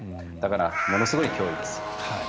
だから、ものすごい脅威です。